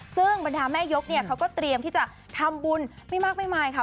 ซึ่งบรรดาแม่ยกเนี่ยเขาก็เตรียมที่จะทำบุญไม่มากไม่มายค่ะ